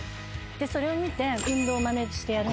それを見て運動をまねして。